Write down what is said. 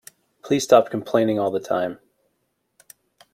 Please stop complaining all the time!